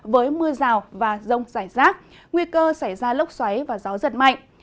với mưa rào và rông rải rác nguy cơ xảy ra lốc xoáy và gió giật mạnh